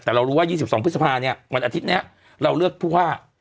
แต่เรารู้ว่ายี่สิบสองพฤษภาเนี้ยวันอาทิตย์เนี้ยเราเลือกผู้ห้า